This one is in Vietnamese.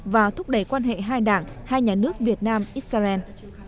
và thúc đẩy quan hệ hai đảng hai nhà nước việt nam israel